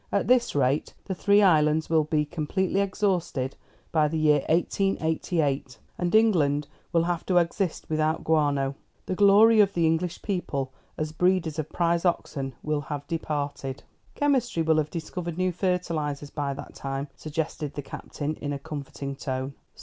At this rate the three islands will be completely exhausted by the year 1888, and England will have to exist without guano. The glory of the English people, as breeders of prize oxen, will have departed." "Chemistry will have discovered new fertilisers by that time," suggested the Captain, in a comforting tone.